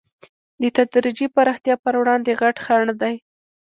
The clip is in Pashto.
د تدریجي پراختیا پر وړاندې غټ خنډ دی.